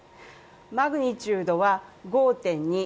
マグニチュードは５．２。